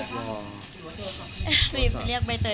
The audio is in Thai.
รีบไปเรียกใบเตย